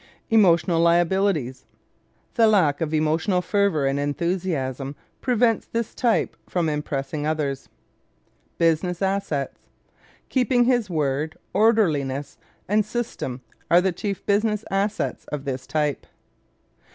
Emotional Liabilities ¶ The lack of emotional fervor and enthusiasm prevents this type from impressing others. Business Assets ¶ Keeping his word, orderliness and system are the chief business assets of this type.